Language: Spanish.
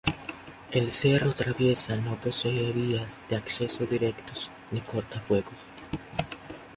El Cerro Traviesa no posee vías de acceso directos ni cortafuegos.